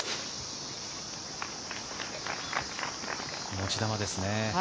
持ち球ですね。